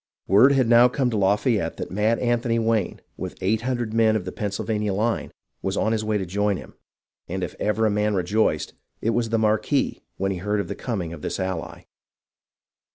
Word had now come to Lafayette that Mad Anthony Wayne, with eight hundred men of the Pennsylvania line, was on his way to join him, and if ever a man rejoiced, it was the Marquis when he heard of the coming of this ally.